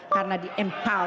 karena di empal